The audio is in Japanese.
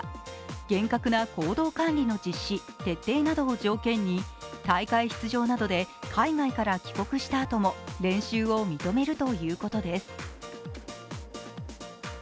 厳格な報道管理の実施徹底などを条件に大会出場などで海外から帰国した後も練習を認めるということです。